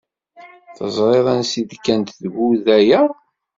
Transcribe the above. Teẓriḍ ansi d-kkant tguda-ya?